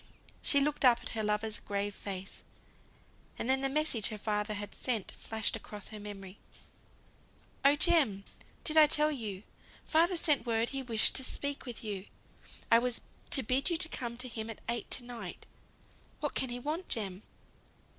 She looked up at her lover's grave face; and then the message her father had sent flashed across her memory. "Oh, Jem, did I tell you? Father sent word he wished to speak with you. I was to bid you come to him at eight to night. What can he want, Jem?"